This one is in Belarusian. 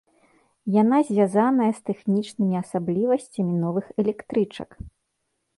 Яна звязаная з тэхнічнымі асаблівасцямі новых электрычак.